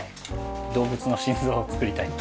動物の心臓を作りたいって。